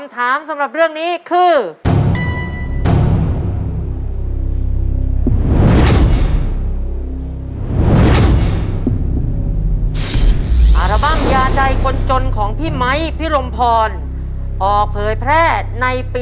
ตัวเลือดที่เป็น